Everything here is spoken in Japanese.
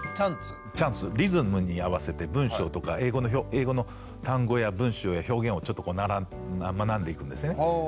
リズムに合わせて文章とか英語の単語や文章や表現をちょっとこう学んでいくんですね。